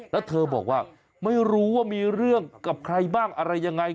แล้วเธอบอกว่าไม่รู้ว่ามีเรื่องกับใครบ้างอะไรยังไง